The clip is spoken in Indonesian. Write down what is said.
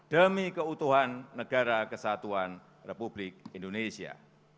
demi keutuhan negara kesatuan republik indonesia